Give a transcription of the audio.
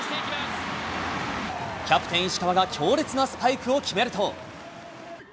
キャプテン、石川が強烈なスパイクを決めると。